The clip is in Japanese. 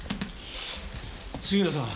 杉浦さん。